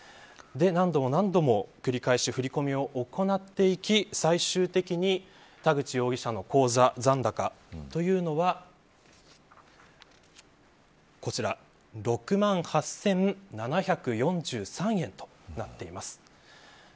何度も何度も繰り返し振り込みを行っていき、最終的に田口容疑者の口座残高というのは６万８７４３円となっています。